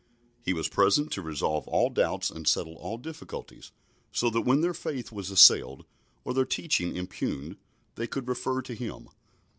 He was present to resolve all doubts and settle all difficulties, so that when their faith was assailed or their teaching impugned they could refer to Him.